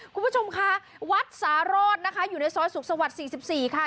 คุณผู้ชมคะวัดสารอดนะคะอยู่ในซอยสุขสวรรค์๔๔ค่ะ